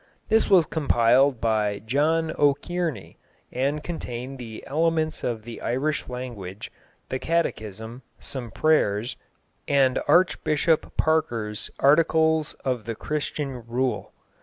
This was compiled by John O'Kearney, and contained the elements of the Irish language, the Catechism, some prayers, and Archbishop Parker's articles of the Christian rule.